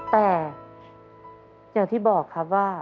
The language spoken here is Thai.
แต่อย่างที่บอกครับว่า